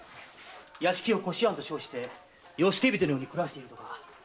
屋敷を「弧思庵」と称して世捨て人のように暮らしているとか。